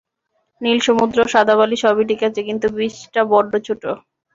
নীল সমুদ্র, সাদা বালি সবই ঠিক আছে, কিন্তু বিচটা বড্ড ছোট।